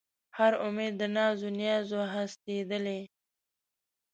هر اُمید د ناز و نیاز و هستېدلی